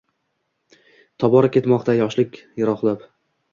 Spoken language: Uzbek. Tobora ketmoqda yoshlik yirokdab